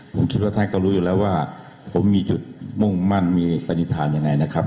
ผมคิดว่าท่านก็รู้อยู่แล้วว่าผมมีจุดมุ่งมั่นมีปฏิฐานยังไงนะครับ